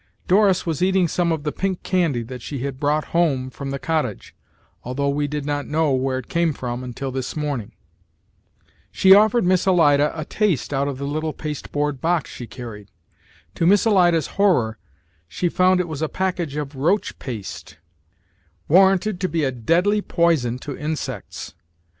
Doris was eating some of the pink candy that she had brought home from the cottage, although we did not know where it came from until this morning. "She offered Miss Alida a taste out of the little pasteboard box she carried. To Miss Alida's horror, she found it was a package of roach paste, warranted to be a deadly poison to insects.